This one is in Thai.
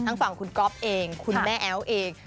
ฝั่งคุณก๊อฟเองคุณแม่แอ๊วเอง